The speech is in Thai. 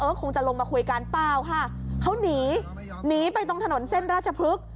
เอ๊ะคงจะลงมาคุยกันป้าวค่ะเขานีไปตรงถนนเส้นราชพลึก